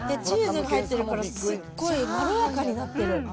チーズが入ってるからすっごいまろやかになってる。